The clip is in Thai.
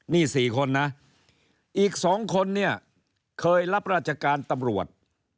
นี่๔คนนะอีก๒คนเนี่ยเคยรับราชการตำรวจ